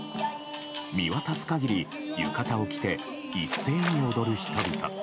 見渡す限り浴衣を着て一斉に踊る人々。